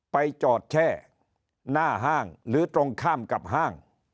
ไปจอดแช่หน้าห้างหรือตรงข้ามกับห้าง